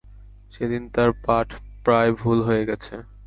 সেদিন তার পাঠ প্রায় ভুল হয়ে গেছে।